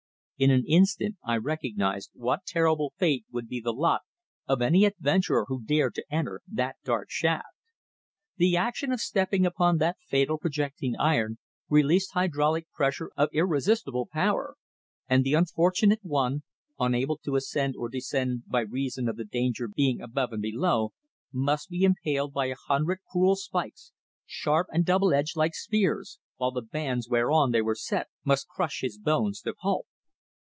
In an instant I recognised what terrible fate would be the lot of any adventurer who dared to enter that dark shaft. The action of stepping upon that fatal projecting iron released hydraulic pressure of irresistible power, and the unfortunate one, unable to ascend or descend by reason of the danger being above and below, must be impaled by a hundred cruel spikes, sharp and double edged like spears, while the bands whereon they were set must crush his bones to pulp.